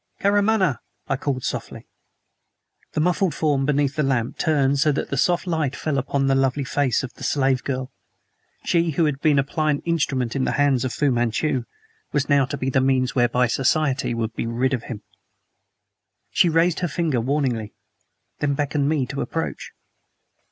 "Karamaneh!" I called softly. The muffled form beneath the lamp turned so that the soft light fell upon the lovely face of the slave girl. She who had been a pliant instrument in the hands of Fu Manchu now was to be the means whereby society should be rid of him. She raised her finger warningly; then beckoned me to approach.